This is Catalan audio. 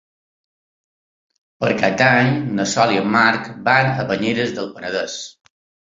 Per Cap d'Any na Sol i en Marc van a Banyeres del Penedès.